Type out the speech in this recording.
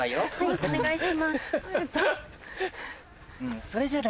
お願いします。